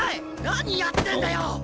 何やってんだよ！